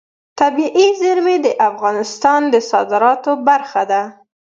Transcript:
طبیعي زیرمې د افغانستان د صادراتو برخه ده.